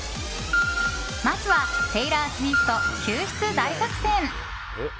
まずは、テイラー・スウィフト救出大作戦！